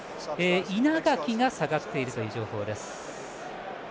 稲垣が下がっているという情報。